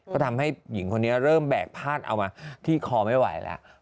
ก็ทำให้หญิงคนนี้เริ่มแบกพาดเอามาที่คอไม่ไหวแล้ว